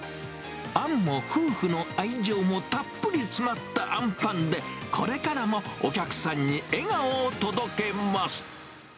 あんも夫婦の愛情も、たっぷり詰まったあんパンで、これからもお客さんに笑顔を届けます。